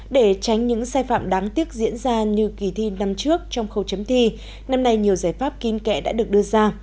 để tránh những sai phạm đáng tiếc diễn ra như kỳ thi năm trước trong khâu chấm thi năm nay nhiều giải pháp kinh kệ đã được đưa ra